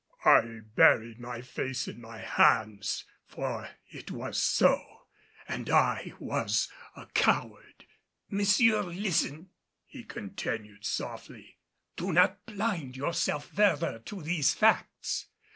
I buried my face in my hands, for it was so and I was a coward. "Monsieur, listen," he continued softly. "Do not blind yourself further to these facts.